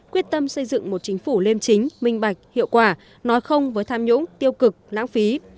quyết tâm xây dựng một chính phủ liêm chính minh bạch hiệu quả nói không với tham nhũng tiêu cực lãng phí